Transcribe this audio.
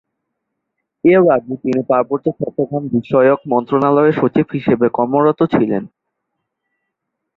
এর আগে তিনি পার্বত্য চট্টগ্রাম বিষয়ক মন্ত্রণালয়ের সচিব হিসেবে কর্মরত ছিলেন।